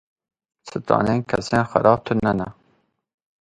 Stranên kesên xerab tune ne.